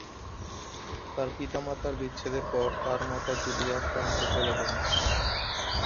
তার পিতা মাতার বিচ্ছেদের পর তার মাতা জুলিয়া ফ্রান্সে চলে যান।